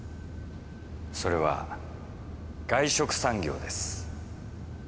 それは外食産業です。